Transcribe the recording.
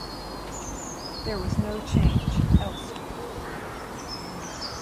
There was no change elsewhere.